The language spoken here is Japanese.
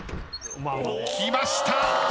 きました。